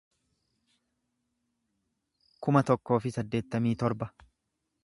kuma tokkoo fi saddeettamii torba